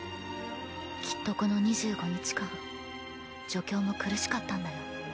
きっとこの２５日間助教も苦しかったんだよ。